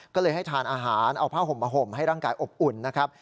ก็เลยให้ทานอาหารเอาผ้าห่มมาห่มให้ร่างกายอบอุ่นนะครับ